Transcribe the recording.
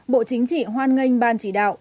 bộ chính trị hoan nghênh ban chỉ đạo